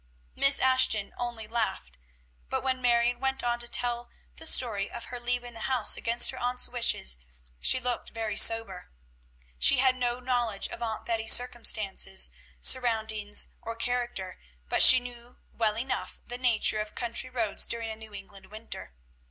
Miss Ashton only laughed; but when Marion went on to tell the story of her leaving the house against her aunt's wishes, she looked very sober. She had no knowledge of Aunt Betty's circumstances, surroundings, or character, but she knew well the nature of country roads during a New England winter.